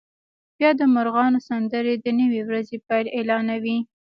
بیا د مرغانو سندرې د نوې ورځې پیل اعلانوي